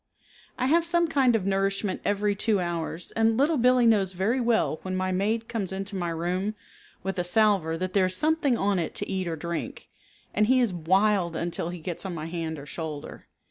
I have some kind of nourishment every two hours and Little Billee knows very well when my maid comes into my room with a salver that there is something on it to eat or drink, and he is wild until he gets on my hand or shoulder.